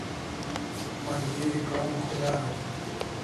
Malgeri krom khul araw